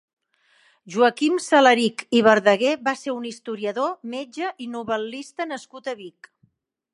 Joaquim Salarich i Verdaguer va ser un historiador, metge i novel·lista nascut a Vic.